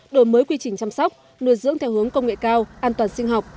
đổi mới quy trình chăm sóc nuôi dưỡng theo hướng công nghệ cao an toàn sinh học